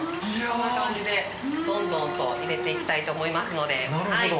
こんな感じでどんどんと入れていきたいと思いますのではい。